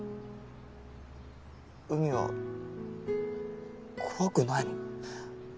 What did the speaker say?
うみは怖くないの？